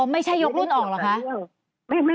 อ๋อไม่ใช่ยกรุ่นออกหรือคะ